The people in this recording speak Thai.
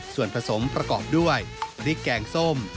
ส่วนผสมประกอบด้วยพริกแกงส้ม